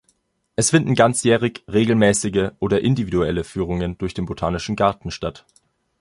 Es finden ganzjährig regelmäßige oder individuelle Führungen durch den botanischen Garten statt.